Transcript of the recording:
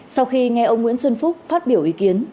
sau khi nghe ông nguyễn xuân phúc phát biểu ý kiến